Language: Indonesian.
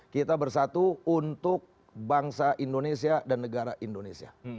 kita bersatu untuk bangsa indonesia dan negara indonesia